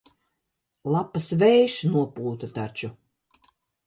Lapas vējš nopūta taču.